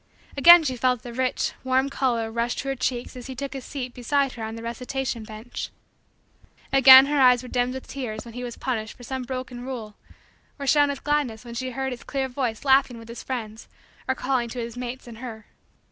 Again she felt the rich, warm, color rush to her cheeks as he took his seat, beside her on the recitation bench. Again her eyes were dimmed with tears when he was punished for some broken rule or shone with gladness when she heard his clear voice laughing with his friends or calling to his mates and her.